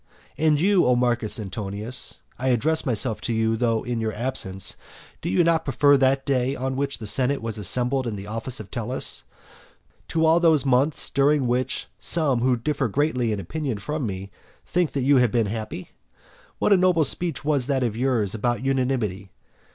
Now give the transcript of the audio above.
XIII. And you, O Marcus Antonius, (I address myself to you, though in your absence,) do you not prefer that day on which the senate was assembled in the temple of Tellus, to all those months during which some who differ greatly in opinion from me think that you have been happy? What a noble speech was that of yours about unanimity!